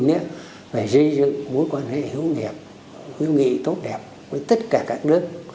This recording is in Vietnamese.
nữa phải xây dựng mối quan hệ hữu nghiệp hữu nghị tốt đẹp với tất cả các nước